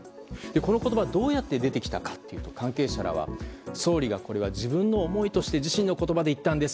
この言葉どうやって出てきたかというと関係者らは総理がこれは自分の思いとして自身の言葉で言ったんです。